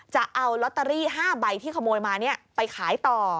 จะเอาลอตเตอรี่๕ใบที่ขโมยมาไปขายต่อ